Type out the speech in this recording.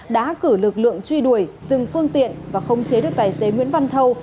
đã cử lực lượng truy đuổi dừng phương tiện và không chế được tài xế nguyễn văn thâu